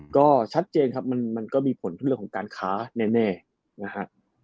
ก็ชัดเจนครับมันก็มีผลเรื่องของการค้าแน่นะฮะ